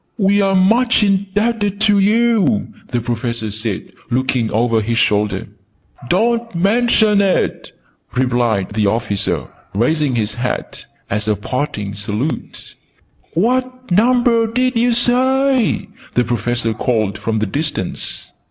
"We are much indebted to you!" the Professor said, looking over his shoulder. "Don't mention it!" replied the officer, raising his hat as a parting salute. "What number did you say!" the Professor called from the distance.